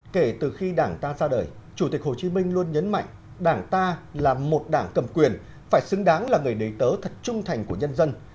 kể từ khi đảng ta ra đời chủ tịch hồ chí minh luôn nhấn mạnh đảng ta là một đảng cầm quyền phải xứng đáng là người nấy tớ thật trung thành của nhân dân